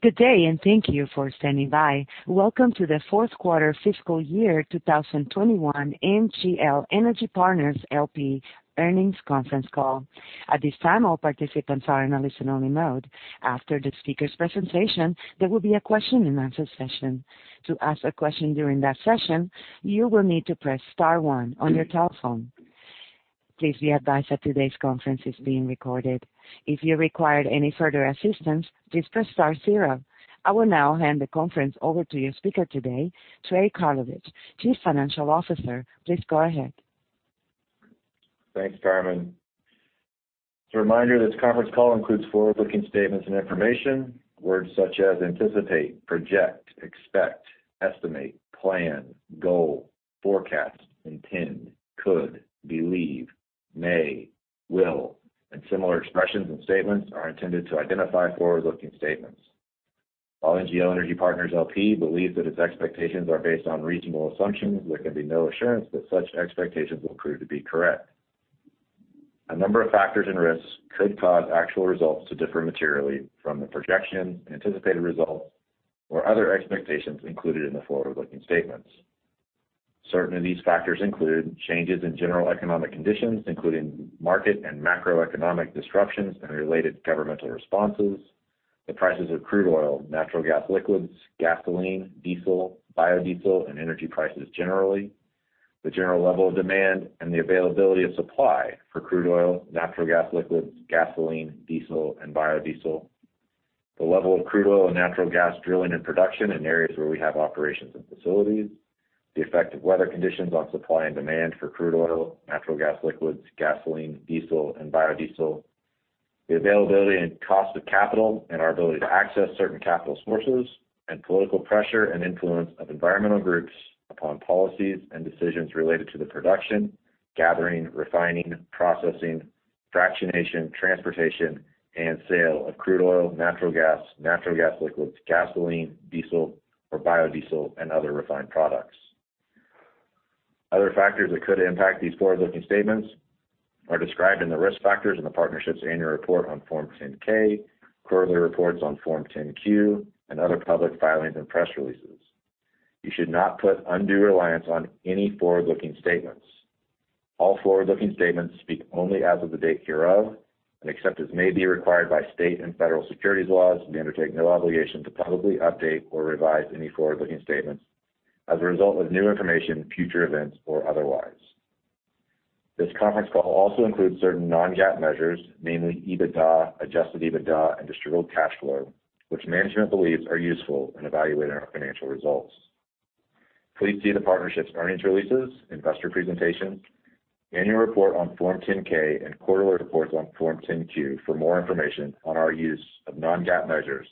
Good day, and thank you for standing by. Welcome to the fourth quarter fiscal year 2021 NGL Energy Partners LP Earnings Conference Call. At this time, all participants are in a listen only mode. After the speaker's presentation, there will be a question and answer session. To ask a question during that session, you will need to press star one on your telephone. Please be advised that today's conference is being recorded. If you require any further assistance, please press star zero. I will now hand the conference over to your speaker today, Trey Karlovic, Chief Financial Officer. Please go ahead. Thanks, Carmen. As a reminder, this conference call includes forward-looking statements and information. Words such as anticipate, project, expect, estimate, plan, goal, forecast, intend, could, believe, may, will, and similar expressions and statements are intended to identify forward-looking statements. While NGL Energy Partners LP believes that its expectations are based on reasonable assumptions, there can be no assurance that such expectations will prove to be correct. A number of factors and risks could cause actual results to differ materially from the projections, anticipated results, or other expectations included in the forward-looking statements. Certain of these factors include changes in general economic conditions, including market and macroeconomic disruptions and related governmental responses, the prices of crude oil, natural gas liquids, gasoline, diesel, biodiesel, and energy prices generally, the general level of demand, and the availability of supply for crude oil, natural gas liquids, gasoline, diesel and biodiesel. The level of crude oil and natural gas drilling and production in areas where we have operations and facilities. The effect of weather conditions on supply and demand for crude oil, natural gas liquids, gasoline, diesel and biodiesel. The availability and cost of capital and our ability to access certain capital sources. Political pressure and influence of environmental groups upon policies and decisions related to the production, gathering, refining, processing, fractionation, transportation, and sale of crude oil, natural gas, natural gas liquids, gasoline, diesel or biodiesel, and other refined products. Other factors that could impact these forward-looking statements are described in the risk factors in the Partnership's annual report on Form 10-K, quarterly reports on Form 10-Q, and other public filings and press releases. You should not put undue reliance on any forward-looking statements. All forward-looking statements speak only as of the date hereof, and except as may be required by state and federal securities laws, we undertake no obligation to publicly update or revise any forward-looking statements as a result of new information, future events, or otherwise. This conference call also includes certain non-GAAP measures, namely EBITDA, Adjusted EBITDA, and distributable cash flow, which management believes are useful in evaluating our financial results. Please see the partnership's earnings releases, investor presentation, annual report on Form 10-K and quarterly reports on Form 10-Q for more information on our use of non-GAAP measures,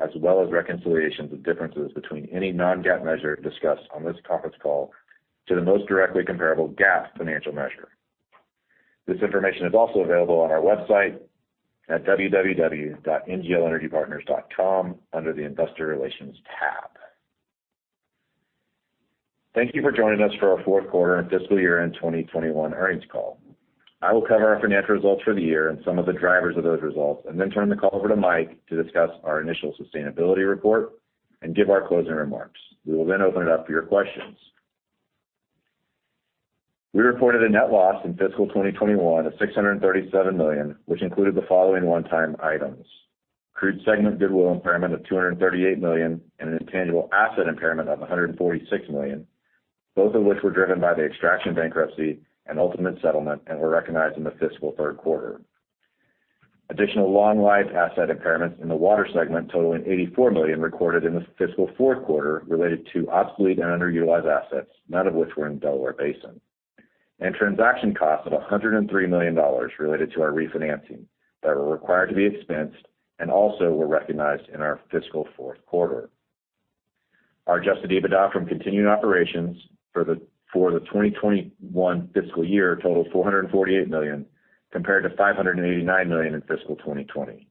as well as reconciliations of differences between any non-GAAP measure discussed on this conference call to the most directly comparable GAAP financial measure. This information is also available on our website at www.nglenergypartners.com under the investor relations tab. Thank you for joining us for our fourth quarter and fiscal year-end 2021 earnings call. I will cover our financial results for the year and some of the drivers of those results, and then turn the call over to Mike to discuss our initial sustainability report and give our closing remarks. We will then open it up for your questions. We reported a net loss in fiscal 2021 of $637 million, which included the following one-time items. Crude segment goodwill impairment of $238 million and an intangible asset impairment of $146 million, both of which were driven by the Extraction bankruptcy and ultimate settlement and were recognized in the fiscal third quarter. Additional long life asset impairments in the water segment totaling $84 million recorded in the fiscal fourth quarter related to obsolete and underutilized assets, none of which were in Delaware Basin. Transaction costs of $103 million related to our refinancing that were required to be expensed and also were recognized in our fiscal fourth quarter. Our Adjusted EBITDA from continuing operations for the 2021 fiscal year totaled $448 million, compared to $589 million in fiscal 2020.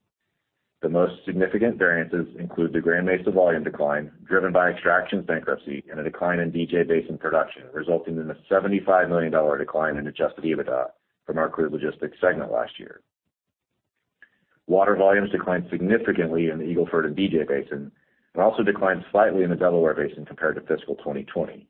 The most significant variances include the Grand Mesa volume decline driven by Extraction's bankruptcy and a decline in DJ Basin production, resulting in a $75 million decline in Adjusted EBITDA from our crude logistics segment last year. Water volumes declined significantly in the Eagle Ford and DJ Basin and also declined slightly in the Delaware Basin compared to fiscal 2020.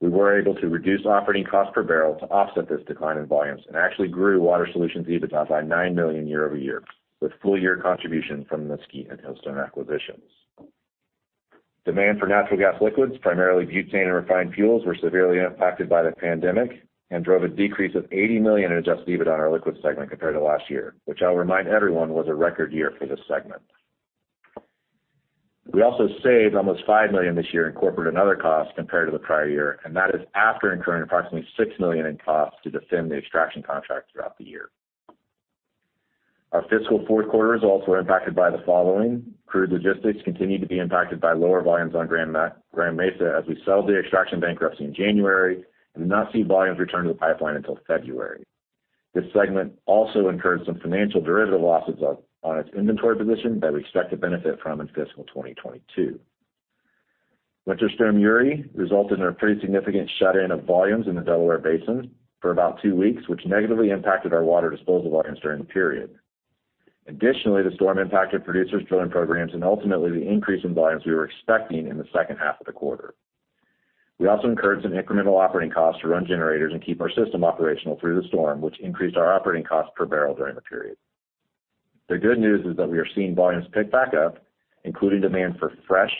We were able to reduce operating cost per barrel to offset this decline in volumes and actually grew Water Solutions EBITDA by $9 million year-over-year, with full year contribution from the Mesquite and Hillstone acquisitions. Demand for natural gas liquids, primarily butane and refined fuels, were severely impacted by the pandemic and drove a decrease of $80 million in Adjusted EBITDA on our liquids segment compared to last year, which I'll remind everyone was a record year for this segment. We also saved almost $5 million this year in corporate and other costs compared to the prior year, and that is after incurring approximately $6 million in costs to defend the Extraction contract throughout the year. Our fiscal fourth quarter results were impacted by the following. Crude Logistics continued to be impacted by lower volumes on Grand Mesa as we settled the Extraction bankruptcy in January and did not see volumes return to the pipeline until February. This segment also incurred some financial derivative losses on its inventory position that we expect to benefit from in fiscal 2022. Winter Storm Uri resulted in a pretty significant shut-in of volumes in the Delaware Basin for about two weeks, which negatively impacted our water disposal volumes during the period. The storm impacted producers drilling programs and ultimately the increase in volumes we were expecting in the second half of the quarter. We also incurred some incremental operating costs to run generators and keep our system operational through the storm, which increased our operating cost per barrel during the period. The good news is that we are seeing volumes pick back up, including demand for fresh,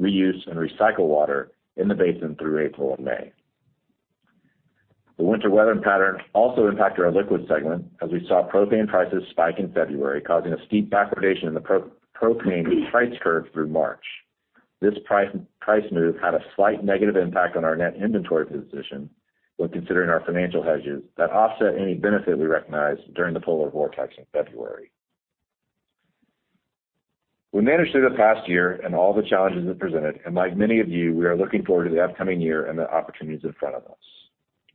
reuse, and recycled water in the basin through April and May. The winter weather pattern also impacted our liquids segment as we saw propane prices spike in February, causing a steep backwardation of the propane price curve through March. This price move had a slight negative impact on our net inventory position when considering our financial hedges that offset any benefit we recognized during the Winter Storm Uri in February. Like many of you, we are looking forward to the upcoming year and the opportunities in front of us.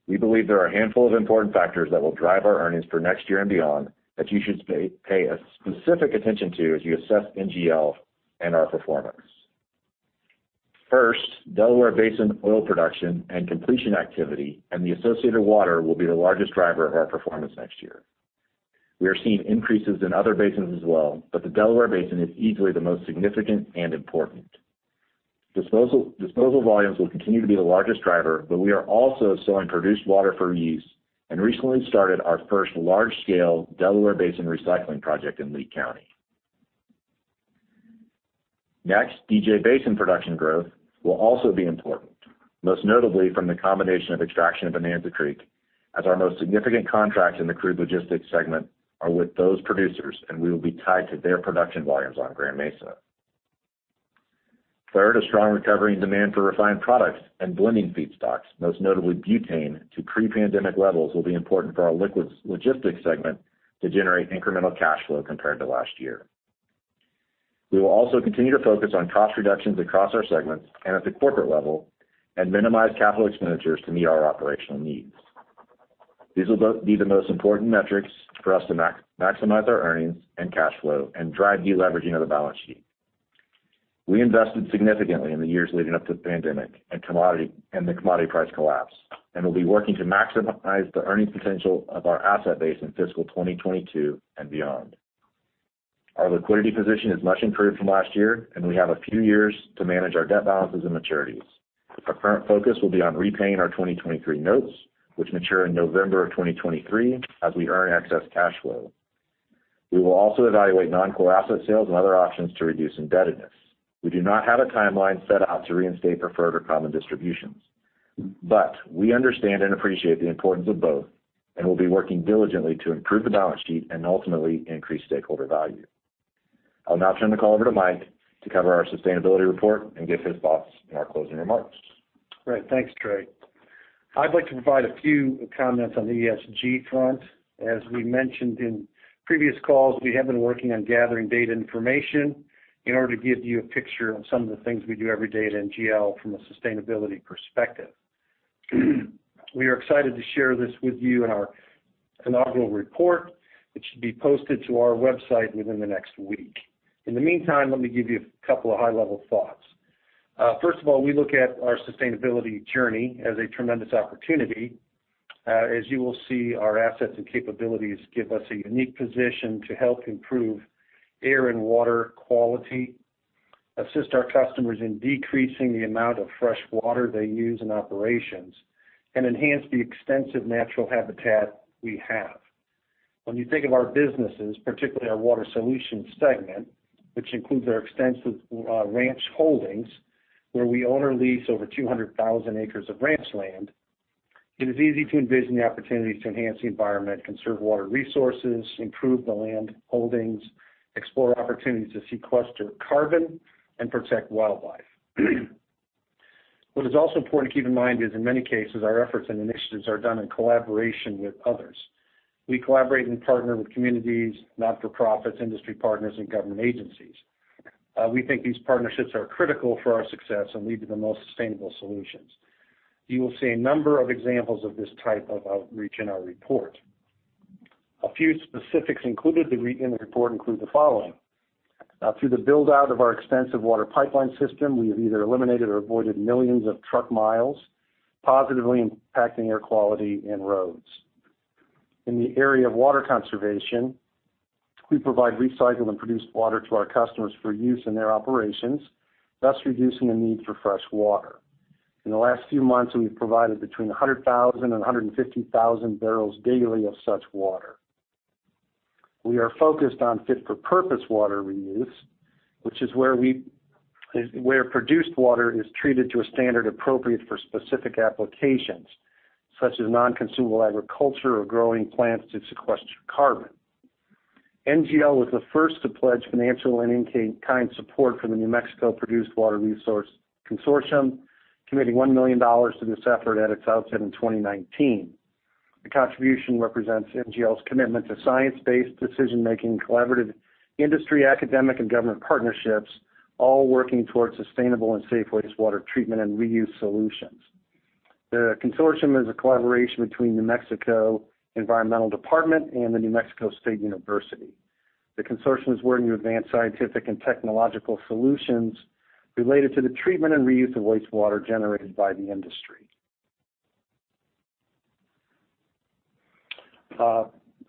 We believe there are a handful of important factors that will drive our earnings for next year and beyond that you should pay specific attention to as you assess NGL and our performance. First, Delaware Basin oil production and completion activity and the associated water will be the largest driver of our performance next year. We are seeing increases in other basins as well, but the Delaware Basin is easily the most significant and important. Disposal volumes will continue to be the largest driver, but we are also selling produced water for reuse and recently started our first large-scale Delaware Basin recycling project in Lea County. Next, DJ Basin production growth will also be important, most notably from the combination of Extraction and Bonanza Creek, as our most significant contracts in the Crude Oil Logistics segment are with those producers, and we will be tied to their production volumes on Grand Mesa. Third, a strong recovery in demand for refined products and blending feedstocks, most notably butane to pre-pandemic levels, will be important for our Liquids Logistics segment to generate incremental cash flow compared to last year. We will also continue to focus on cost reductions across our segments and at the corporate level and minimize capital expenditures to meet our operational needs. These will be the most important metrics for us to maximize our earnings and cash flow and drive deleveraging of the balance sheet. We invested significantly in the years leading up to the pandemic and the commodity price collapse and will be working to maximize the earnings potential of our asset base in fiscal 2022 and beyond. Our liquidity position is much improved from last year, and we have a few years to manage our debt balances and maturities. The current focus will be on repaying our 2023 notes, which mature in November of 2023, as we earn excess cash flow. We will also evaluate non-core asset sales and other options to reduce indebtedness. We do not have a timeline set out to reinstate preferred or common distributions, but we understand and appreciate the importance of both and will be working diligently to improve the balance sheet and ultimately increase stakeholder value. I'll now turn the call over to Mike to cover our sustainability report and give his thoughts in our closing remarks. Great. Thanks, Trey. I'd like to provide a few comments on the ESG front. As we mentioned in previous calls, we have been working on gathering data information in order to give you a picture of some of the things we do every day at NGL from a sustainability perspective. We are excited to share this with you in our inaugural report, which should be posted to our website within the next week. In the meantime, let me give you a couple of high-level thoughts. First of all, we look at our sustainability journey as a tremendous opportunity. As you will see, our assets and capabilities give us a unique position to help improve air and water quality, assist our customers in decreasing the amount of fresh water they use in operations, and enhance the extensive natural habitat we have. When you think of our businesses, particularly our Water Solutions segment, which includes our extensive ranch holdings, where we own or lease over 200,000 acres of ranch land, it is easy to envision the opportunity to enhance the environment, conserve water resources, improve the land holdings, explore opportunities to sequester carbon, and protect wildlife. What is also important to keep in mind is in many cases, our efforts and initiatives are done in collaboration with others. We collaborate and partner with communities, not-for-profits, industry partners, and government agencies. We think these partnerships are critical for our success and lead to the most sustainable solutions. You will see a number of examples of this type of outreach in our report. A few specifics included in the report include the following. Through the build-out of our extensive water pipeline system, we have either eliminated or avoided millions of truck miles, positively impacting air quality and roads. In the area of water conservation, we provide recycled and produced water to our customers for use in their operations, thus reducing the need for fresh water. In the last few months, we've provided between 100,000 and 150,000 barrels daily of such water. We are focused on fit-for-purpose water reuse, which is where produced water is treated to a standard appropriate for specific applications, such as non-consumable agriculture or growing plants to sequester carbon. NGL was the first to pledge financial and in-kind support for the New Mexico Produced Water Research Consortium, committing $1 million to this effort at its outset in 2019. The contribution represents NGL's commitment to science-based decision-making, collaborative industry, academic, and government partnerships, all working towards sustainable and safe wastewater treatment and reuse solutions. The consortium is a collaboration between New Mexico Environmental Department and New Mexico State University. The consortium is working to advance scientific and technological solutions related to the treatment and reuse of wastewater generated by the industry.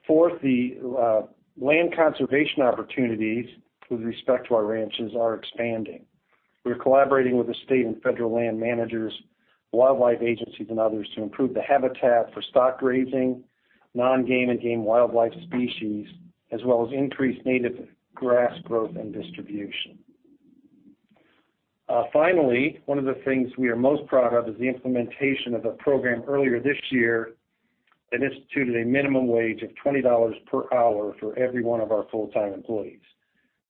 Fourthly, land conservation opportunities with respect to our ranches are expanding. We're collaborating with the state and federal land managers, wildlife agencies, and others to improve the habitat for stock grazing, non-game and game wildlife species, as well as increase native grass growth and distribution. Finally, one of the things we are most proud of is the implementation of a program earlier this year that instituted a minimum wage of $20 per hour for every one of our full-time employees.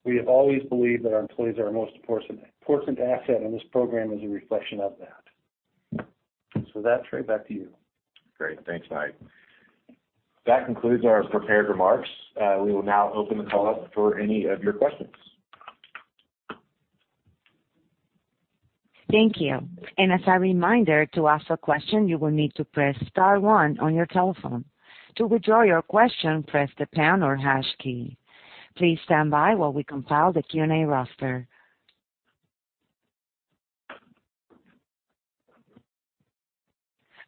We have always believed that our employees are our most important asset, and this program is a reflection of that. With that, Trey, back to you. Great. Thanks, Mike. That concludes our prepared remarks. We will now open the call up for any of your questions. Thank you. As a reminder, to ask a question, you will need to press star one on your telephone. To withdraw your question, press the pound or hash key. Please stand by while we compile the Q&A roster.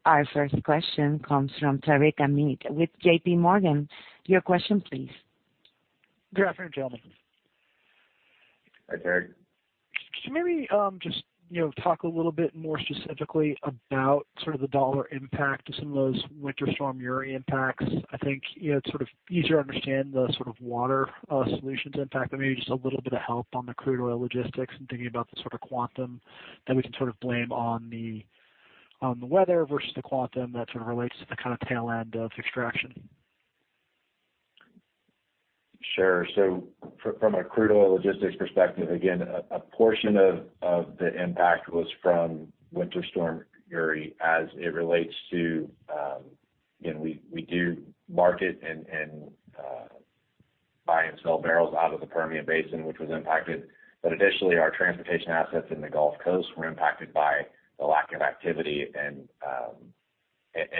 Our first question comes from Tarek Hamid with JPMorgan. Your question, please. Good afternoon, gentlemen. Can you maybe just talk a little bit more specifically about the dollar impact of some of those Winter Storm Uri impacts? I think it's easier to understand the Water Solutions impact. Maybe just a little bit of help on the Crude Oil Logistics and thinking about the sort of quantum that we can blame on the weather versus the quantum that sort of relates to the kind of tail end of Extraction. Sure. From a Crude Oil Logistics perspective, again, a portion of the impact was from Winter Storm Uri. We do market and buy and sell barrels out of the Permian Basin, which was impacted. Additionally, our transportation assets in the Gulf Coast were impacted by the lack of activity and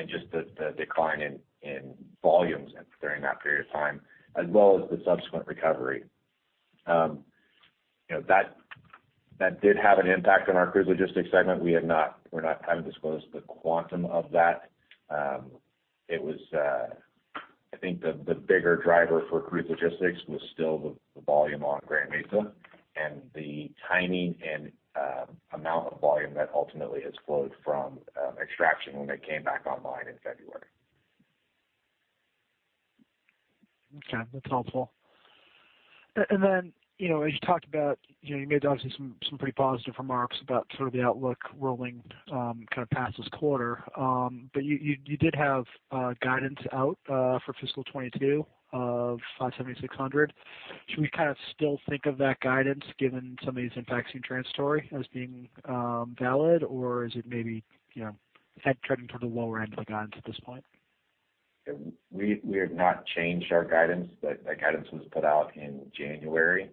just the decline in volumes during that period of time, as well as the subsequent recovery. That did have an impact on our Crude Oil Logistics segment. We're not guided to disclose the quantum of that. I think the bigger driver for Crude Oil Logistics was still the volume on Grand Mesa and the timing and amount of volume that ultimately has flowed from Extraction when we came back online in February. Okay. That's helpful. As you talked about, you made some pretty positive remarks about sort of the outlook rolling past this quarter. You did have guidance out for fiscal 2022 of flat $7,600. Should we still think of that guidance given some of these impacts you shared as being valid, or is it maybe trending to the low end of guidance at this point? We have not changed our guidance. That guidance was put out in January.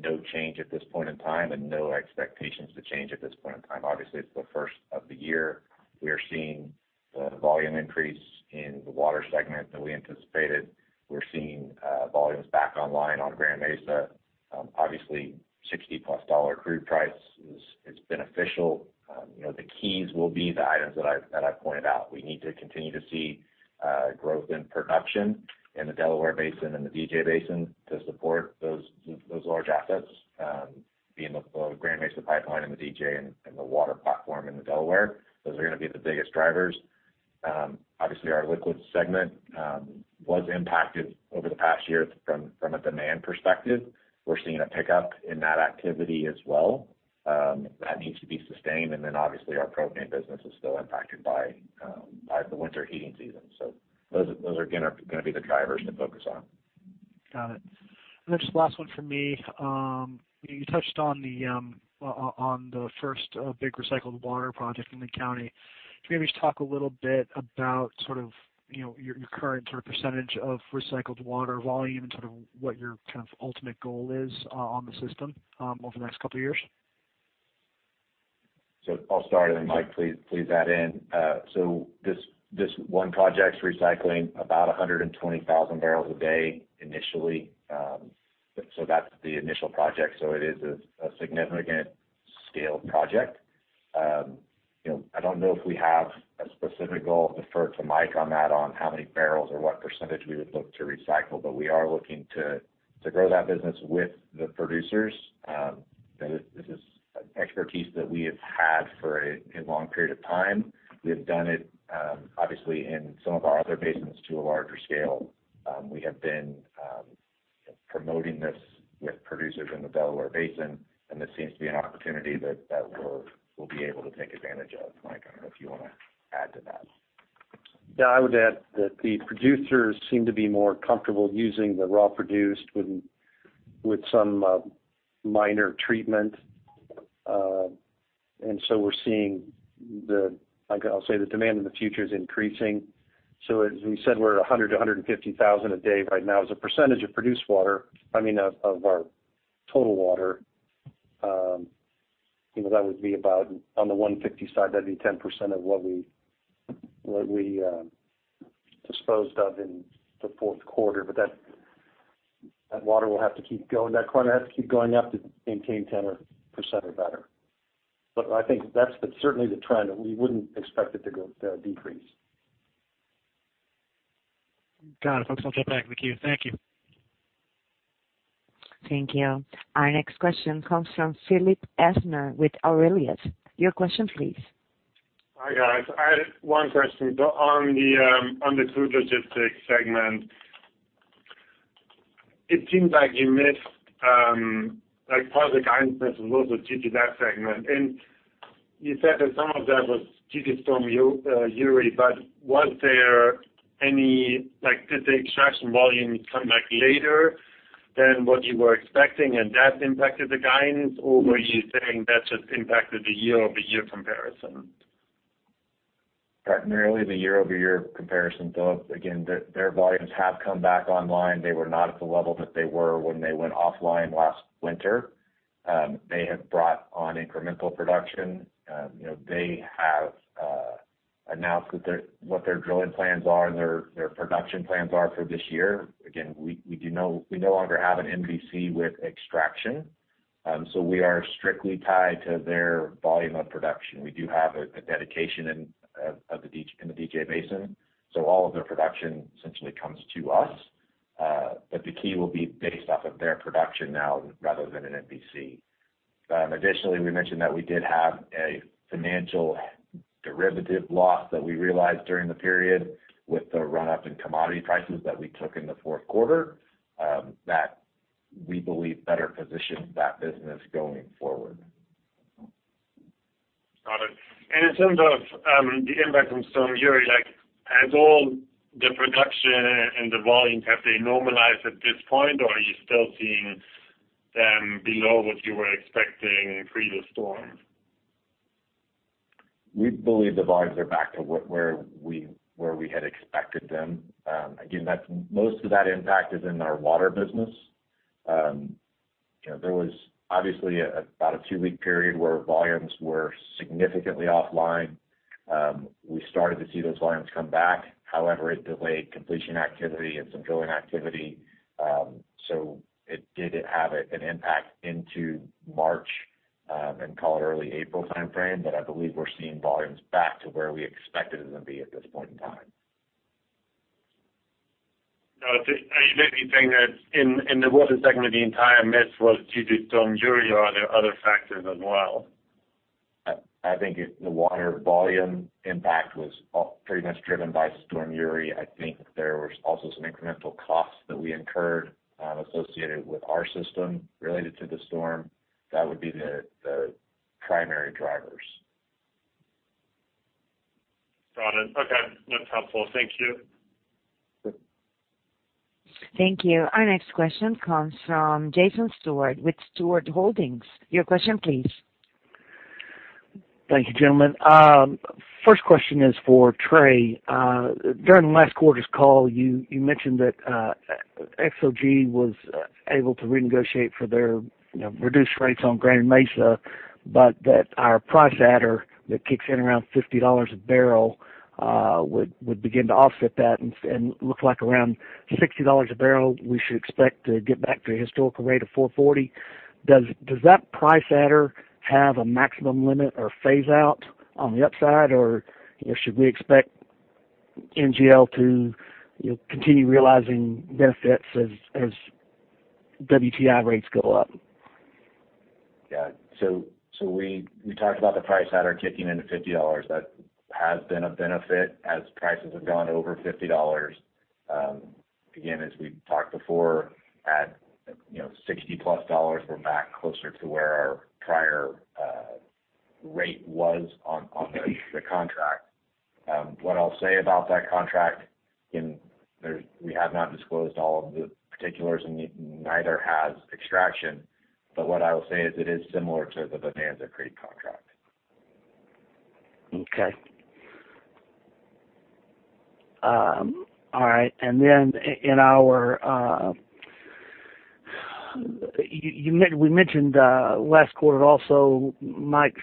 No change at this point in time, and no expectations to change at this point in time. Obviously, it's the first of the year. We are seeing the volume increase in the Water Solutions segment that we anticipated. We are seeing volumes back online on Grand Mesa. Obviously, $60-plus crude price is beneficial. The keys will be the items that I pointed out. We need to continue to see growth in production in the Delaware Basin and the DJ Basin to support those large assets, being the Grand Mesa Pipeline in the DJ and the water platform in the Delaware. Those are going to be the biggest drivers. Obviously, our Liquids Logistics segment was impacted over the past year from a demand perspective. We are seeing a pickup in that activity as well. That needs to be sustained. Obviously our propane business is still impacted by the winter heating season. Those, again, are going to be the drivers to focus on. Got it. There's this last one from me. You touched on the first big recycled water project in the county. Can you maybe talk a little bit about your current percentage of recycled water volume and what your ultimate goal is on the system over the next couple of years? I'll start and Mike, please add in. This one project is recycling about 120,000 bbl a day initially. That's the initial project. It is a significant scale project. I don't know if we have a specific goal. I'll defer to Mike on that on how many barrels or what percentage we would look to recycle. We are looking to grow that business with the producers. This is an expertise that we have had for a long period of time. We have done it obviously in some of our other basins to a larger scale. We have been promoting this with producers in the Delaware Basin, and this seems to be an opportunity that we'll be able to take advantage of. Mike, I don't know if you want to add to that. Yeah. I would add that the producers seem to be more comfortable using the raw produced with some minor treatment. We're seeing the demand in the future is increasing. As we said, we're 100,000 to 150,000 a day right now as a percentage of produced water, I mean of our total water. That would be about on the 150 side, that'd be 10% of what we disposed of in the fourth quarter. That water will have to keep going. That quarter has to keep going up to maintain 10% or better. I think that's certainly the trend that we wouldn't expect it to decrease. Got it. Folks, I'll get back with you. Thank you. Thank you. Our next question comes from Philipp Duffner with Aurelius. Your question, please. Hi, guys. I had one question. On the Liquids Logistics segment, it seems like part of the guidance miss was also due to that segment. You said that some of that was due to Winter Storm Uri, did the Extraction volume come back later than what you were expecting and that impacted the guidance? Were you saying that just impacted the year-over-year comparison? Primarily the year-over-year comparison. Again, their volumes have come back online. They were not at the level that they were when they went offline last winter. They have brought on incremental production. They have announced what their drilling plans are and their production plans are for this year. Again, we no longer have an MVC with Extraction. We are strictly tied to their volume of production. We do have a dedication in the DJ Basin, so all of their production essentially comes to us. The key will be based off of their production now rather than an MVC. Additionally, we mentioned that we did have a financial derivative loss that we realized during the period with the run-up in commodity prices that we took in the fourth quarter, that we believe better positions that business going forward. Got it. In terms of the impact from Winter Storm Uri, has all the production and the volume, have they normalized at this point, or are you still seeing them below what you were expecting pre the storm? We believe the volumes are back at where we had expected them. Again, most of that impact is in our water business. There was obviously about a two-week period where volumes were significantly offline. We started to see those volumes come back. It delayed completion activity and some drilling activity. It did have an impact into March, and call it early April timeframe. I believe we're seeing volumes back to where we expected them to be at this point in time. Are you basically saying that in the water segment, the entire miss was due to Winter Storm Uri, or are there other factors as well? I think the water volume impact was pretty much driven by Winter Storm Uri. I think there was also some incremental costs that we incurred associated with our system related to the storm. That would be the primary drivers. Got it. Okay. That's helpful. Thank you. Thank you. Our next question comes from Jason Stewart with Stewart Holdings. Your question, please. Thank you, gentlemen. First question is for Trey. During last quarter's call, you mentioned that XOG was able to renegotiate for their reduced rates on Grand Mesa, but that our price adder that kicks in around $50 a bbl would begin to offset that, and it looks like around $60 a barrel, we should expect to get back to a historical rate of $440. Does that price adder have a maximum limit or phase out on the upside? Or should we expect NGL to continue realizing benefits as WTI rates go up? Yeah. We talked about the price adder kicking in at $50. That has been a benefit as prices have gone over $50. Again, as we've talked before, at $60 plus, we're back closer to where our prior rate was on the contract. What I'll say about that contract, we have not disclosed all of the particulars, and neither has Extraction. What I will say is it is similar to the Bonanza Creek contract. Okay. All right. We mentioned last quarter also, Mike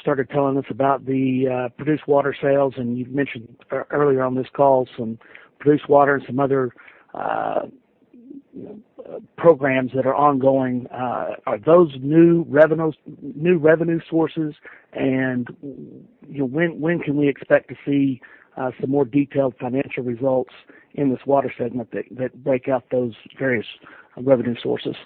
started telling us about the produced water sales, and you've mentioned earlier on this call some produced water and some other programs that are ongoing. Are those new revenue sources? When can we expect to see some more detailed financial results in this water segment that break out those various revenue sources?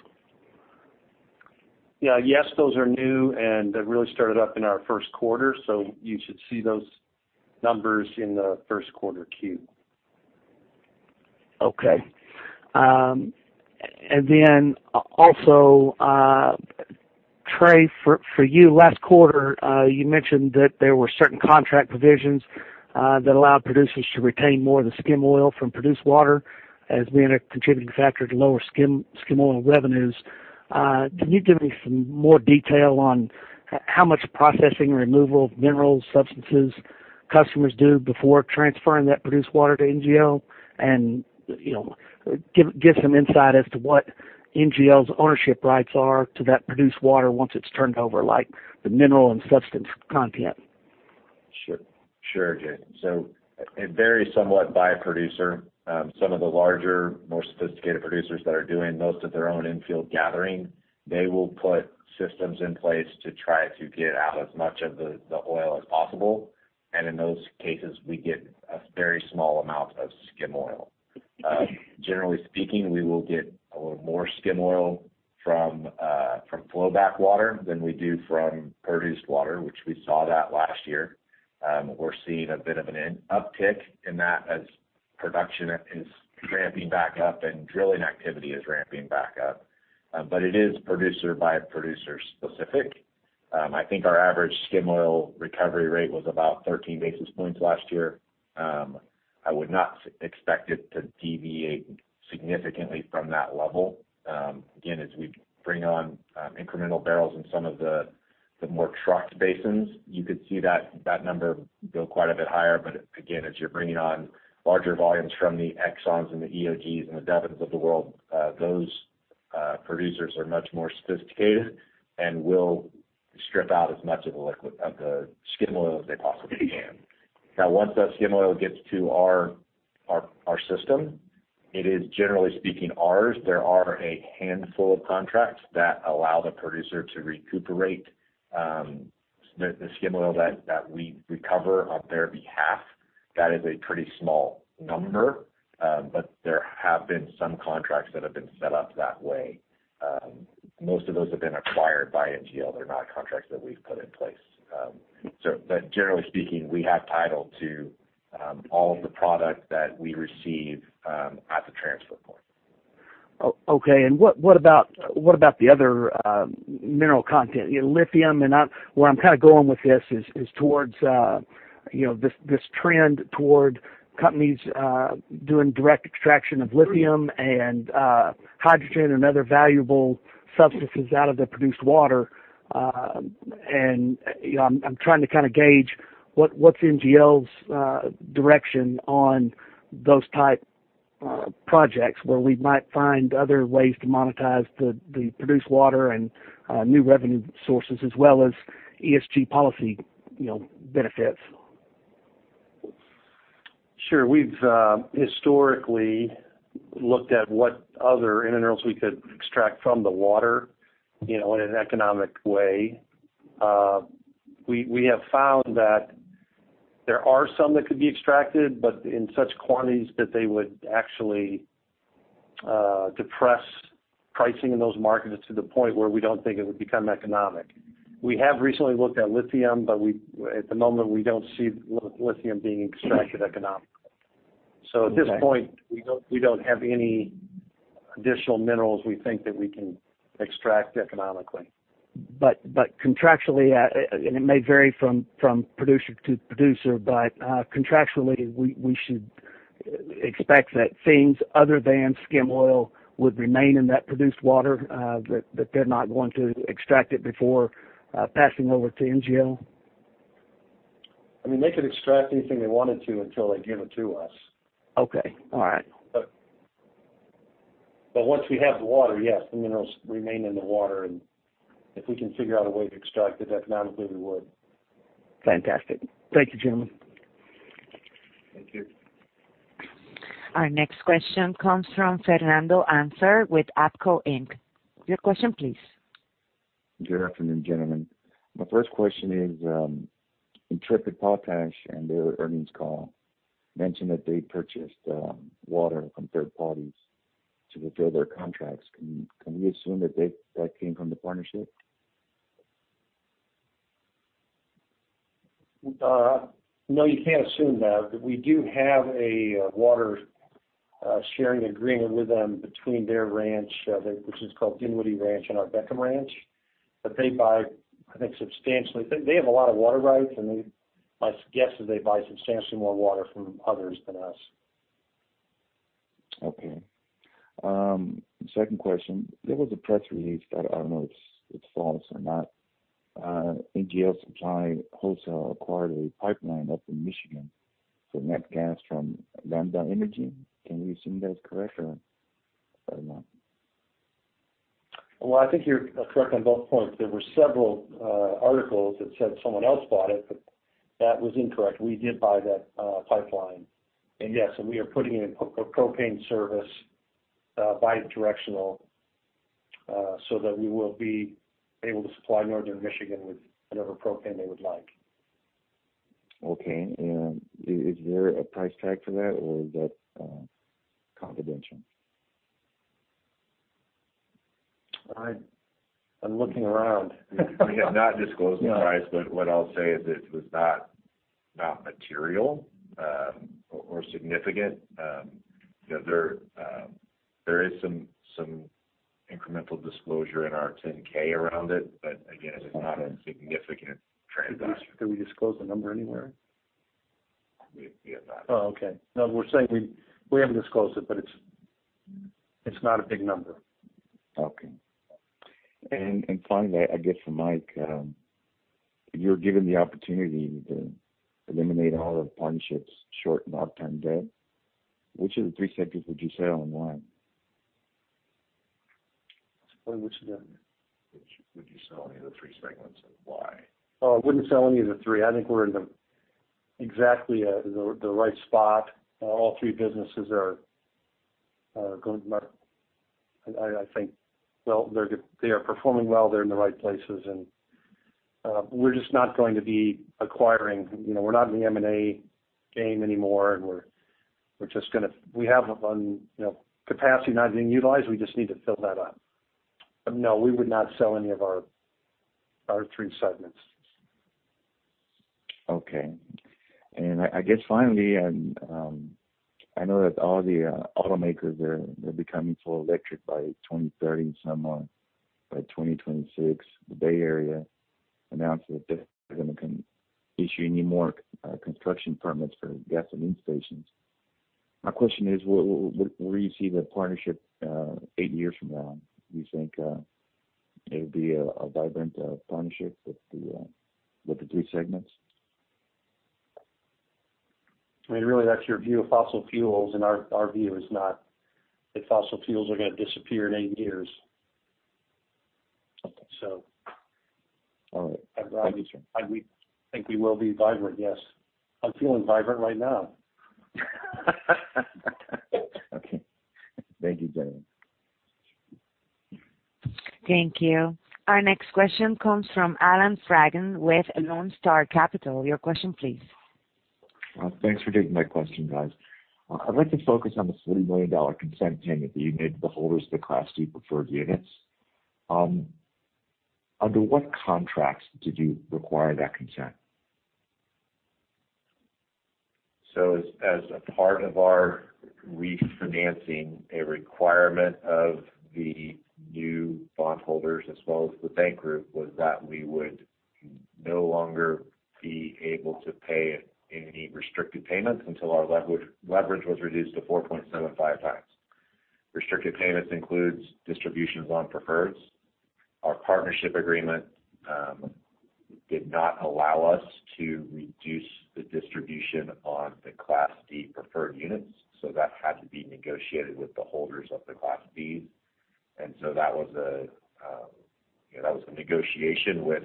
Yeah. Yes, those are new and really started up in our first quarter. You should see those numbers in the first quarterQ. Okay. Also, Trey, for you, last quarter, you mentioned that there were certain contract provisions that allowed producers to retain more of the skim oil from produced water as being a contributing factor to lower skim oil revenues. Can you give me some more detail on how much processing removal of mineral substances customers do before transferring that produced water to NGL? Give some insight as to what NGL's ownership rights are to that produced water once it's turned over, like the mineral and substance content. Sure, Jason. It varies somewhat by producer. Some of the larger, more sophisticated producers that are doing most of their own infield gathering, they will put systems in place to try to get out as much of the oil as possible. In those cases, we get a very small amount of skim oil. Generally speaking, we will get a little more skim oil from flow back water than we do from produced water, which we saw that last year. We're seeing a bit of an uptick in that as production is ramping back up and drilling activity is ramping back up. It is producer by producer specific. I think our average skim oil recovery rate was about 13 basis points last year. I would not expect it to deviate significantly from that level. As we bring on incremental barrels in some of the more trucked basins, you could see that number go quite a bit higher. As you're bringing on larger volumes from the Exxons and the EOGs and the Devons of the world, those producers are much more sophisticated and will strip out as much of the skim oil as they possibly can. Once that skim oil gets to our system, it is generally speaking ours. There are a handful of contracts that allow the producer to recuperate the skim oil that we recover on their behalf. That is a pretty small number. There have been some contracts that have been set up that way. Most of those have been acquired by NGL. They're not contracts that we've put in place. Generally speaking, we have title to all of the product that we receive at the transfer point. Okay. What about the other mineral content, lithium, where I'm going with this is towards this trend toward companies doing direct extraction of lithium and hydrogen and other valuable substances out of the produced water. I'm trying to gauge what's NGL's direction on those type projects, where we might find other ways to monetize the produced water and new revenue sources as well as ESG policy benefits. Sure. We've historically looked at what other minerals we could extract from the water, in an economic way. We have found that there are some that could be extracted, but in such quantities that they would actually depress pricing in those markets to the point where we don't think it would become economic. We have recently looked at lithium, but at the moment, we don't see lithium being extracted economically. Okay. At this point, we don't have any additional minerals we think that we can extract economically. Contractually, and it may vary from producer to producer, but contractually, we should expect that things other than skim oil would remain in that produced water that they're not going to extract it before passing over to NGL? I mean, they could extract anything they wanted to until they give it to us. Okay. All right. Once we have the water, yes, the minerals remain in the water. If we can figure out a way to extract it economically, we would. Fantastic. Thank you, gentlemen. Thank you. Our next question comes from Fernando Anser with ABCO Inc. Your question, please. Good afternoon, gentlemen. My first question is, Intrepid Potash, in their earnings call, mentioned that they purchased water from third parties to fulfill their contracts. Can we assume that came from the partnership? No, you can't assume that. We do have a water sharing agreement with them between their ranch, which is called Dinwiddie Ranch, and our Beckham Ranch. They buy, I think, They have a lot of water rights, and my guess is they buy substantially more water from others than us. Second question. There was a press release, but I don't know if it's false or not. NGL Supply Wholesale acquired a pipeline up in Michigan for nat gas from Lambda Energy. Can we assume that is correct, or not? Well, I think you're correct on both points. There were several articles that said someone else bought it, but that was incorrect. We did buy that pipeline. Yes, we are putting in a propane service, bidirectional, so that we will be able to supply northern Michigan with whatever propane they would like. Okay. Is there a price tag for that, or is that confidential? I'm looking around. We have not disclosed the price, but what I'll say is it was not material or significant. There is some incremental disclosure in our 10-K around it, but again, it's not a significant transaction. Did we disclose the number anywhere? We have not. Oh, okay. No, we're saying we haven't disclosed it, but it's. It's not a big number. Okay. Finally, I guess for Mike, if you were given the opportunity to eliminate all of the partnership's short and long-term debt, which of the three segments would you sell and why? Which of the- Which would you sell any of the three segments and why? I wouldn't sell any of the three. I think we're in exactly the right spot. All three businesses are going well. I think they are performing well. They're in the right places, and we're just not going to be acquiring. We're not in the M&A game anymore, and we have capacity not being utilized. We just need to fill that up. No, we would not sell any of our three segments. Okay. I guess finally, I know that all the automakers are becoming full electric by 2030 and some are by 2026. The Bay Area announced that they're not going to issue any more construction permits for gasoline stations. My question is, where do you see the partnership eight years from now? Do you think it'll be a vibrant partnership with the three segments? I mean, really that's your view of fossil fuels, and our view is not that fossil fuels are going to disappear in eight years. Okay. All right. I think we will be vibrant, yes. I'm feeling vibrant right now. Okay. Thank you, gentlemen. Thank you. Our next question comes from Adam Fragen with Lone Star Capital. Your question please. Thanks for taking my question, guys. I'd like to focus on the $40 million consent payment that you made to the holders of the Class C preferred units. Under what contracts did you require that consent? As a part of our refinancing, a requirement of the new bondholders as well as the bank group was that we would no longer be able to pay any restricted payments until our leverage was reduced to 4.75x. Restricted payments includes distributions on preferreds. Our partnership agreement did not allow us to reduce the distribution on the Class D preferred units, so that had to be negotiated with the holders of the Class Ds. That was a negotiation with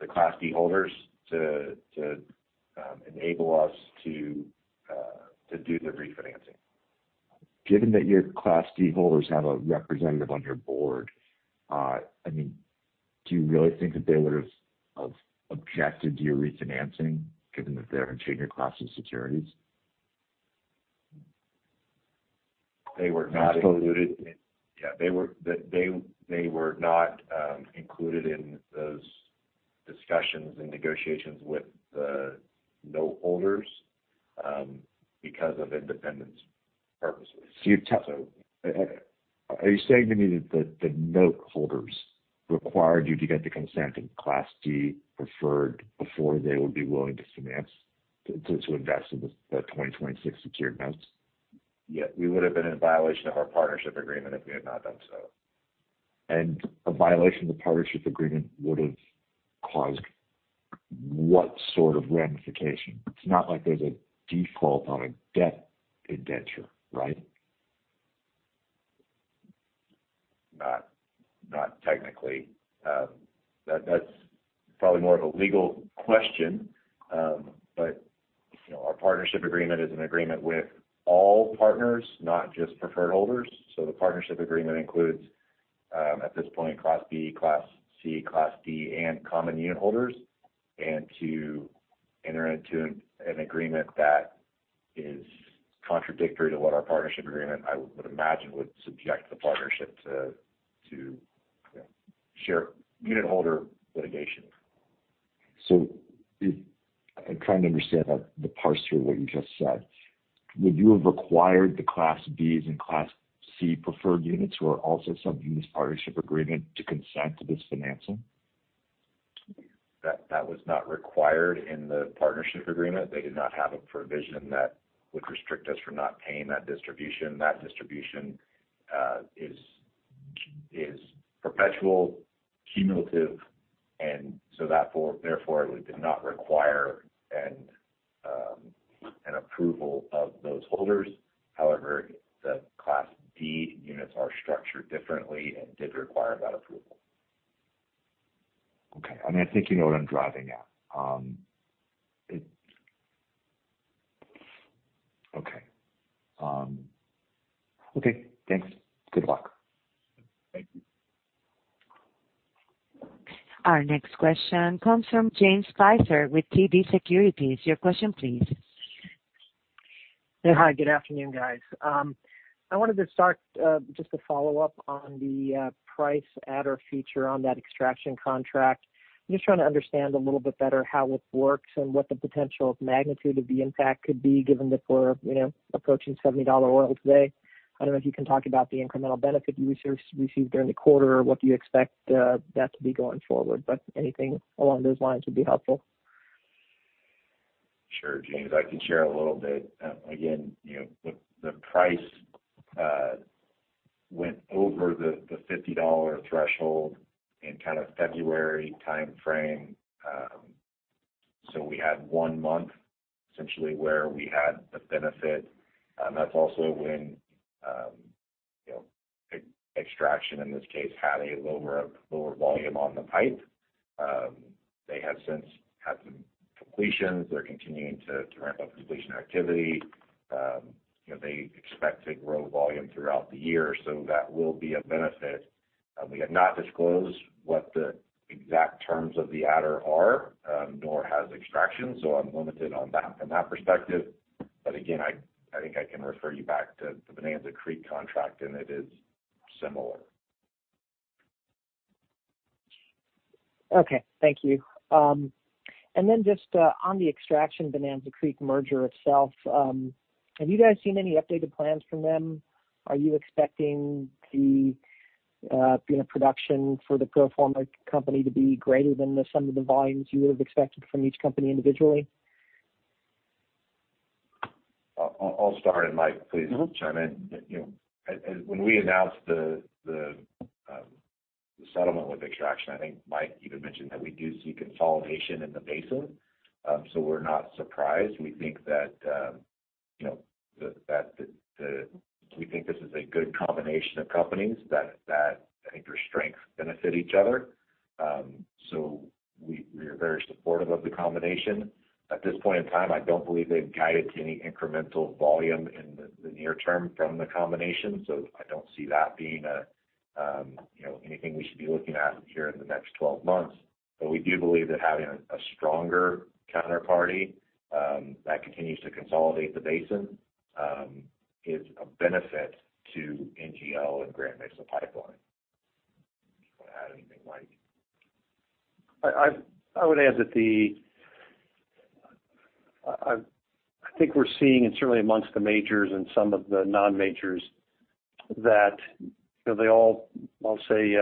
the Class D holders to enable us to do the refinancing. Given that your Class D holders have a representative on your board, do you really think that they would have objected to your refinancing given that they're in junior class of securities? They were not included in those discussions and negotiations with the note holders because of independence purposes. Are you saying to me that the note holders required you to get the consent of Class D preferred before they would be willing to finance, to invest in the 2026 secured notes? Yeah. We would have been in violation of our partnership agreement if we had not done so. A violation of the partnership agreement would have caused what sort of ramification? It's not like there's a default on a debt indenture, right? Not technically. That's probably more of a legal question. Our partnership agreement is an agreement with all partners, not just preferred holders. The partnership agreement includes, at this point, Class B, Class C, Class D, and common unit holders. To enter into an agreement that is contradictory to what our partnership agreement, I would imagine, would subject the partnership to unit holder litigation. I'm trying to understand the parse through what you just said. Would you have required the Class Bs and Class C preferred units who are also subject to this partnership agreement to consent to this financing? That was not required in the partnership agreement. They did not have a provision that would restrict us from not paying that distribution. That distribution is perpetual, cumulative, and so therefore, we did not require an approval of those holders. However, the Class D units are structured differently and did require that approval. Okay. I think you know what I'm driving at. Okay. Thanks. Good luck. Thank you. Our next question comes from James Spicer with TD Securities. Your question please. Hi, good afternoon, guys. I wanted to start just a follow-up on the price adder feature on that Extraction contract. I'm just trying to understand a little bit better how it works and what the potential magnitude of the impact could be given that we're approaching $70 oil today. I don't know if you can talk about the incremental benefit you received during the quarter or what you expect that to be going forward, but anything along those lines would be helpful. Sure, James. I can share a little bit. The price went over the $50 threshold in February timeframe. We had one month essentially where we had the benefit. That's also when Extraction, in this case, had a lower volume on the pipe. They have since had some completions. They're continuing to ramp up completion activity. They expect to grow volume throughout the year, so that will be a benefit. We have not disclosed what the exact terms of the adder are, nor has Extraction, so I'm limited on that from that perspective. I think I can refer you back to the Bonanza Creek contract, and it is similar. Okay. Thank you. Just on the Extraction Bonanza Creek merger itself, have you guys seen any updated plans from them? Are you expecting the production for the pro forma company to be greater than the sum of the volumes you would have expected from each company individually? I'll start, and Mike, please chime in. When we announced the settlement with Extraction, I think Mike even mentioned that we do see consolidation in the basin. We're not surprised. We think this is a good combination of companies that I think their strengths benefit each other. We are very supportive of the combination. At this point in time, I don't believe they've guided to any incremental volume in the near term from the combination, so I don't see that being anything we should be looking at here in the next 12 months. We do believe that having a stronger counterparty that continues to consolidate the basin is a benefit to NGL and Grand Mesa Pipeline. Do you want to add anything, Mike? I would add that I think we're seeing, and certainly amongst the majors and some of the non-majors, that they all, I'll say,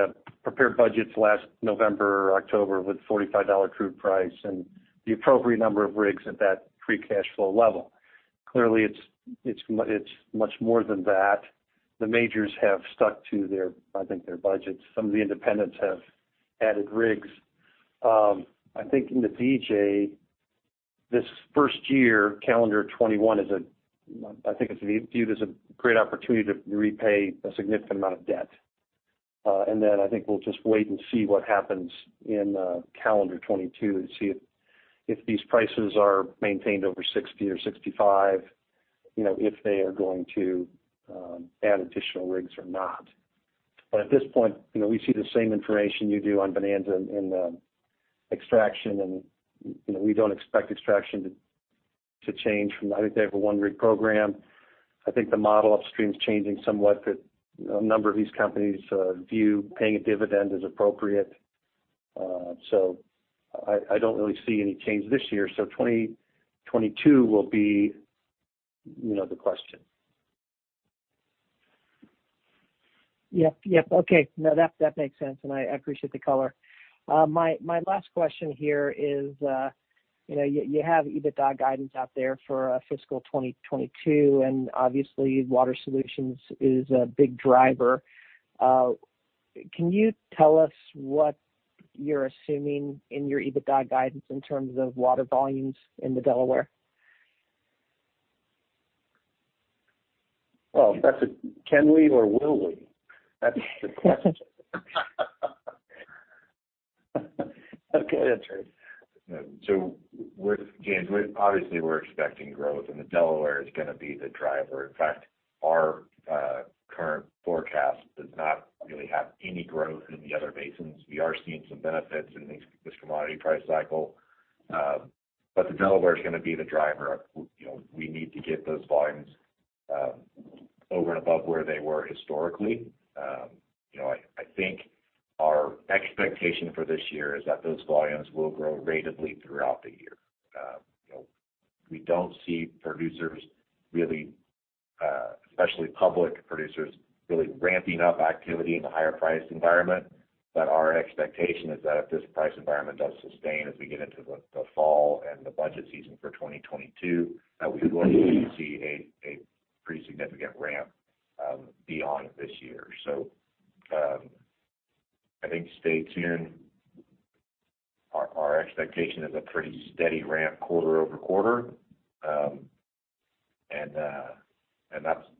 prepared budgets last November or October with $45 crude price and the appropriate number of rigs at that free cash flow level. Clearly, it's much more than that. The majors have stuck to their budgets. Some of the independents have added rigs. I think in the DJ, this first year, calendar 2021, I think it's viewed as a great opportunity to repay a significant amount of debt. I think we'll just wait and see what happens in calendar 2022 and see if these prices are maintained over 60 or 65, if they are going to add additional rigs or not. At this point, we see the same information you do on Bonanza and Extraction, and we don't expect Extraction to change. I think they have a one-rig program. I think the model upstream is changing somewhat that a number of these companies view paying a dividend as appropriate. I don't really see any change this year. 2022 will be the question. Yep. Okay. No, that makes sense. I appreciate the color. My last question here is, you have EBITDA guidance out there for fiscal 2022. Obviously Water Solutions is a big driver. Can you tell us what you're assuming in your EBITDA guidance in terms of water volumes in the Delaware? Well, can we or will we? That's the question. Okay, that's right. James, obviously, we're expecting growth, and the Delaware is going to be the driver. Our current forecast does not really have any growth in the other basins. We are seeing some benefits in this commodity price cycle. The Delaware's going to be the driver. We need to get those volumes over and above where they were historically. I think our expectation for this year is that those volumes will grow ratably throughout the year. We don't see producers really, especially public producers, really ramping up activity in the higher price environment. Our expectation is that if this price environment does sustain as we get into the fall and the budget season for 2022, that we would look to see a pretty significant ramp beyond this year. I think stay tuned. Our expectation is a pretty steady ramp quarter over quarter.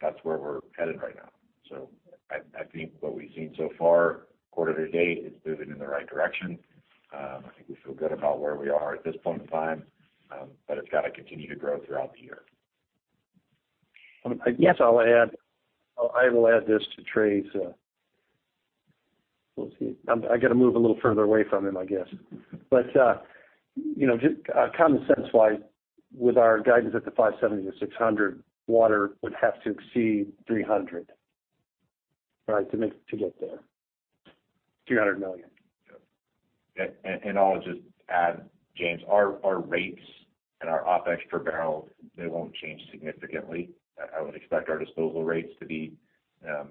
That's where we're headed right now. I think what we've seen so far quarter to date is moving in the right direction. I think we feel good about where we are at this point in time. It's got to continue to grow throughout the year. Yes. I will add this to Trey's. I got to move a little further away from him, I guess. Common sense-wise, with our guidance at the $570-$600, water would have to exceed $300 to get there, $300 million. Yeah. I'll just add, James, our rates and our OpEx per barrel, they won't change significantly. I would expect our disposal rates to be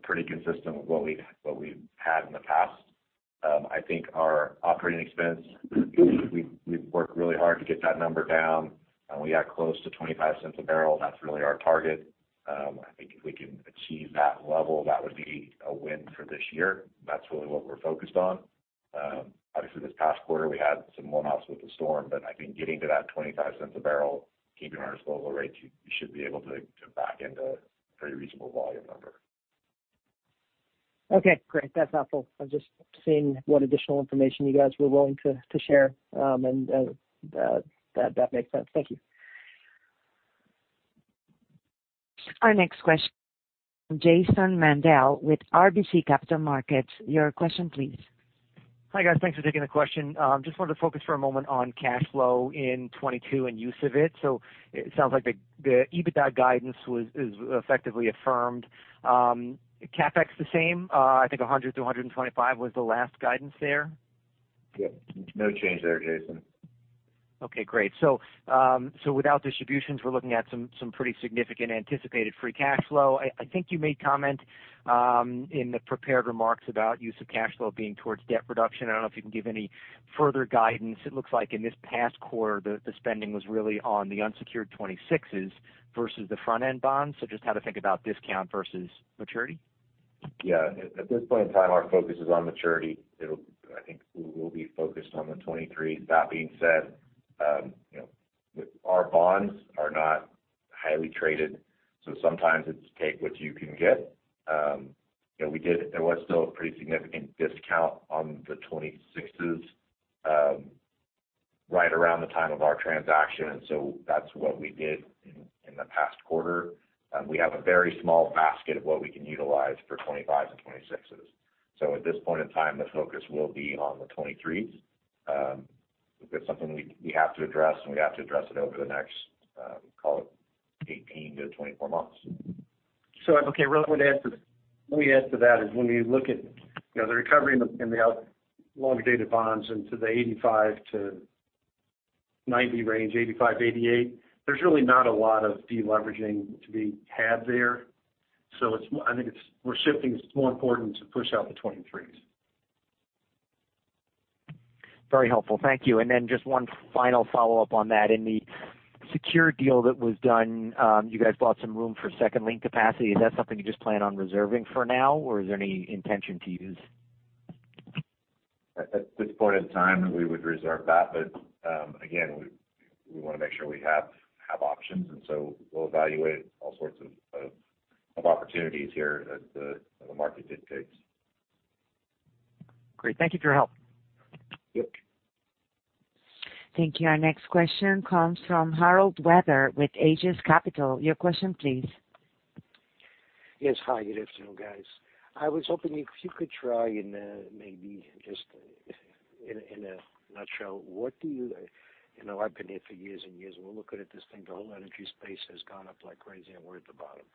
pretty consistent with what we've had in the past. I think our operating expense, we've worked really hard to get that number down, and we got close to $0.25 a bbl. That's really our target. I think if we can achieve that level, that would be a win for this year. That's really what we're focused on. Obviously, this past quarter, we had some one-offs with the storm, but I think getting to that $0.25 a bbl, keeping our disposal rates, we should be able to back into a very reasonable volume number. Okay, great. That's helpful. I'm just seeing what additional information you guys were willing to share, and that makes sense. Thank you. Our next question comes from Jason Mandel with RBC Capital Markets. Your question please. Hi guys. Thanks for taking the question. Just want to focus for a moment on cash flow in 2022 and use of it. It sounds like the EBITDA guidance is effectively affirmed. CapEx the same? I think $100-$125 was the last guidance there. Yeah. No change there, Jason. Okay, great. Without distributions, we're looking at some pretty significant anticipated free cash flow. I think you made comment in the prepared remarks about use of cash flow being towards debt reduction. I don't know if you can give any further guidance. It looks like in this past quarter, the spending was really on the unsecured 26s versus the front-end bonds. Just how to think about discount versus maturity? At this point in time, our focus is on maturity. I think we'll be focused on the 23s. That being said, our bonds are not highly traded, so sometimes it's take what you can get. There was still a pretty significant discount on the 26s right around the time of our transaction, and so that's what we did in the past quarter. We have a very small basket of what we can utilize for 25s and 26s. At this point in time, the focus will be on the 23s. That's something we have to address, and we have to address it over the next, call it 18-24 months. Okay. Related to that is when you look at the recovery in the longer-dated bonds into the 85-90 range, 85, 88, there's really not a lot of de-leveraging to be had there. I think we're shifting. It's more important to push out the 23s. Very helpful. Thank you. Then just one final follow-up on that. In the secured deal that was done, you guys bought some room for second-lien capacity. Is that something you just plan on reserving for now, or is there any intention to use? At this point in time, we would reserve that. Again, we want to make sure we have options, and so we'll evaluate all sorts of opportunities here as the market dictates. Great. Thank you for your help. Yep. Thank you. Our next question comes from Harold Weber with Aegis Capital. Your question please. Yes. Hi, good afternoon, guys. I was hoping if you could try and maybe just in a nutshell, I've been here for years and years, and we're looking at this thing. The whole energy space has gone up like crazy, and we're at the bottom.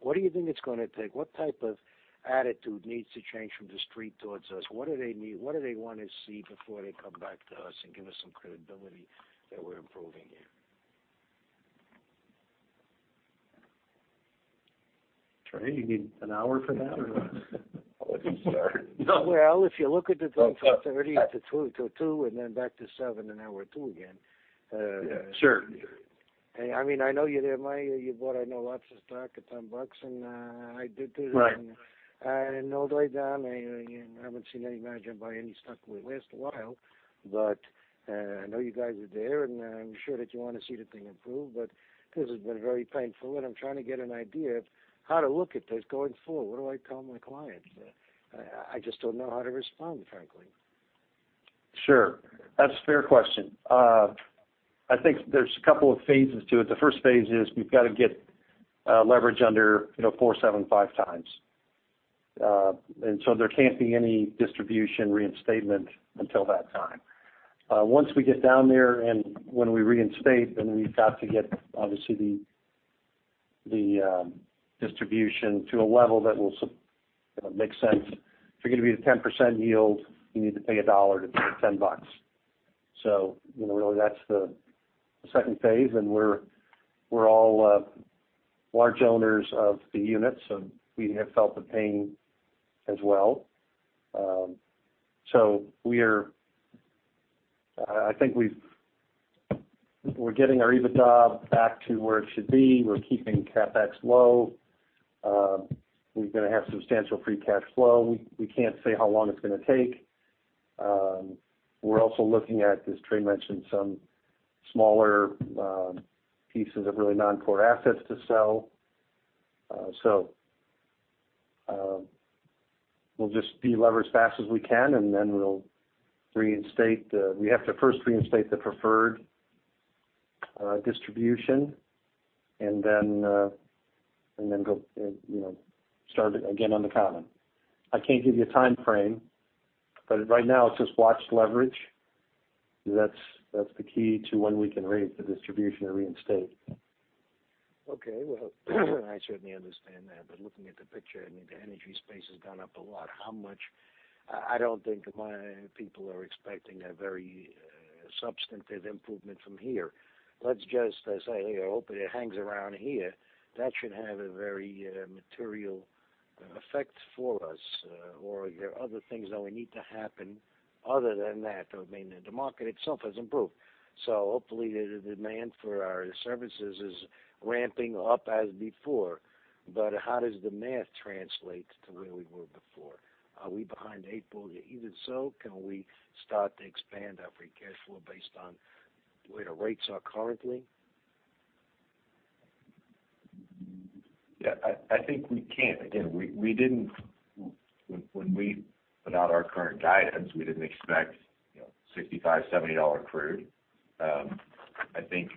What do you think it's going to take? What type of attitude needs to change from the street towards us? What do they need? What do they want to see before they come back to us and give us some credibility that we're improving here? Trey, you need an hour for that or what? I think so. Well, if you look at the things, up to 30, to two, then back to seven, now we're two again. Sure. I know you bought a lot of stock at $10, and I did too. Right. No doubt, I haven't seen any manager buy any stock in the last while, but I know you guys are there, and I'm sure that you want to see the thing improve, but this has been very painful, and I'm trying to get an idea of how to look at this going forward. What do I tell my clients? I just don't know how to respond, frankly. Sure. That's a fair question. I think there's a couple of phases to it. The first phase is we've got to get leverage under 4.75 times. There can't be any distribution reinstatement until that time. Once we get down there and when we reinstate, we have to get, obviously, the distribution to a level that will make sense. If you're going to be a 10% yield, you need to pay $1 to make $10. Really, that's the second phase. We're all large owners of the units, we have felt the pain as well. I think we're getting our EBITDA back to where it should be. We're keeping CapEx low. We're going to have substantial free cash flow. We can't say how long it's going to take. We're also looking at, as Trey mentioned, some smaller pieces of really non-core assets to sell. We'll just de-leverage as fast as we can. We have to first reinstate the preferred distribution and then start again on the common. I can't give you a timeframe, but right now it's just watch leverage. That's the key to when we can raise the distribution or reinstate. Okay. Well, I certainly understand that, looking at the picture, the energy space has gone up a lot. I don't think a lot of people are expecting a very substantive improvement from here. Let's just say, hopefully, it hangs around here. That should have a very material effect for us. Are there other things that we need to happen other than that? The market itself has improved, hopefully the demand for our services is ramping up as before. How does demand translate to where we were before? Are we behind April even? Can we start to expand our free cash flow based on where rates are currently? Yeah, I think we can. Again, when we put out our current guidance, we didn't expect $65, $70 crude. I think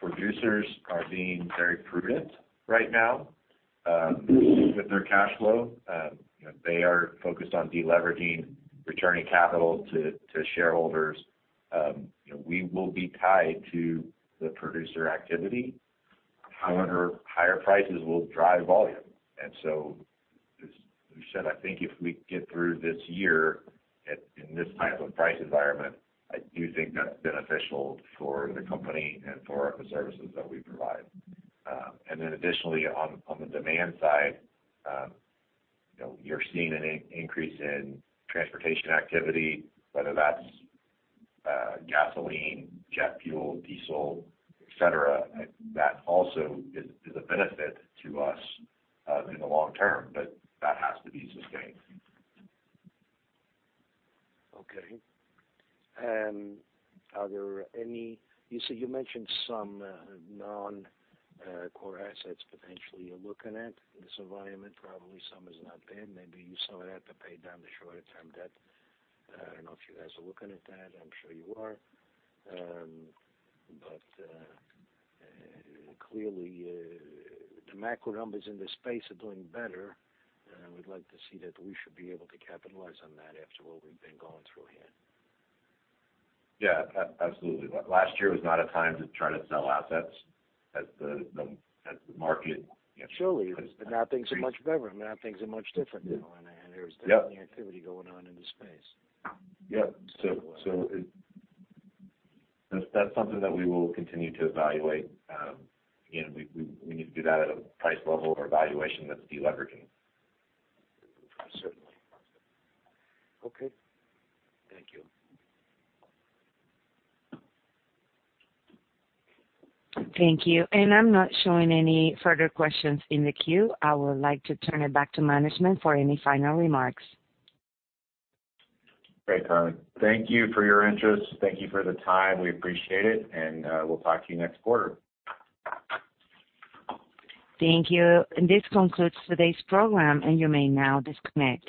producers are being very prudent right now with their cash flow. They are focused on de-leveraging, returning capital to shareholders. We will be tied to the producer activity. However, higher prices will drive volume. As we said, I think if we can get through this year in this type of price environment, I do think that's beneficial for the company and for the services that we provide. Additionally, on the demand side, you're seeing an increase in transportation activity, whether that's gasoline, jet fuel, diesel, et cetera. That also is a benefit to us in the long term. That has to be sustained. Okay. You said you mentioned some non-core assets potentially you're looking at in this environment. Probably some is not there. Maybe some of that to pay down the shorter-term debt. I don't know if you guys are looking at that. I'm sure you are. Clearly, the macro numbers in this space are doing better, and we'd like to see that we should be able to capitalize on that after what we've been going through here. Yeah, absolutely. Last year was not a time to try to sell assets at the market. Surely. Now things are much better. Now things are much different. Yeah. There's definitely activity going on in the space. Yep. That's something that we will continue to evaluate. Again, we need to do that at a price level or valuation that's de-leveraging. Certainly. Okay. Thank you. Thank you. I'm not showing any further questions in the queue. I would like to turn it back to management for any final remarks. Great. Thank you for your interest. Thank you for the time. We appreciate it, and we'll talk to you next quarter. Thank you. This concludes today's program. You may now disconnect.